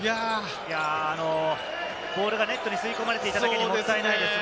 ボールがネットに吸い込まれただけに、もったいないですね。